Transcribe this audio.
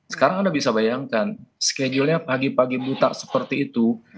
sekarang anda bisa bayangkan schedule nya pagi pagi buta seperti itu